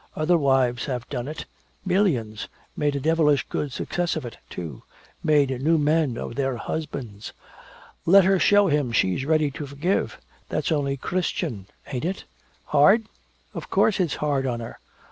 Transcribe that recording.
"Other wives have done it millions! Made a devilish good success of it, too made new men of their husbands! Let her show him she's ready to forgive! That's only Christian, ain't it? Hard? Of course it's hard on her!